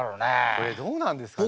これどうなんですかね？